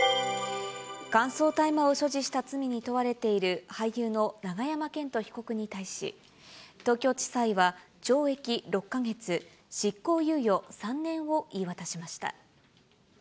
乾燥大麻を所持した罪に問われている、俳優の永山絢斗被告に対し、東京地裁は懲役６か月執行猶予３年を言い渡しました。